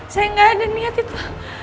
saya nggak ada niat itu